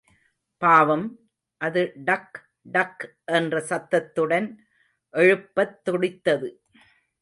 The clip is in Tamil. பாவம், அது டக்டக் என்ற சத்தத்துடன் எழுப்பத் துடித்தது.